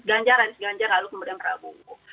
ganjaran ganjar lalu kemudian prabowo